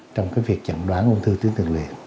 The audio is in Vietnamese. trong cái việc chẩn đoán ung thư tuyến liệt